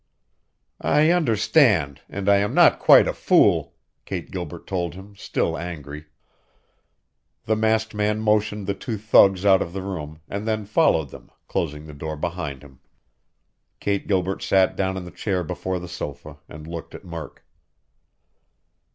"I understand, and I am not quite a fool!" Kate Gilbert told him, still angry. The masked man motioned the two thugs out of the room, and then followed them, closing the door behind him. Kate Gilbert sat down in the chair before the sofa, and looked at Murk.